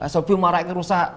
slb marah ini rusak